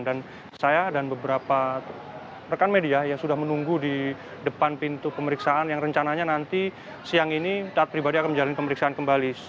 dan saya dan beberapa rekan media yang sudah menunggu di depan pintu pemeriksaan yang rencananya nanti siang ini taat pribadi akan menjalani pemeriksaan kembali